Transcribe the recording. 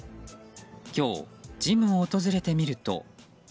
今日、ジムを訪れてみると。